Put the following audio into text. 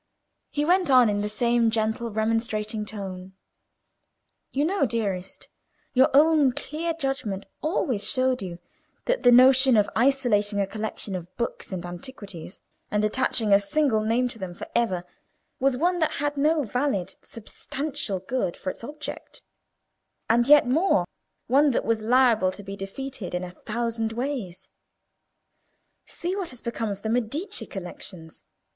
He went on in the same gentle, remonstrating tone. "You know, dearest—your own clear judgment always showed you—that the notion of isolating a collection of books and antiquities, and attaching a single name to them for ever, was one that had no valid, substantial good for its object: and yet more, one that was liable to be defeated in a thousand ways. See what has become of the Medici collections!